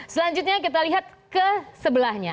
selanjutnya kita lihat kesebelahnya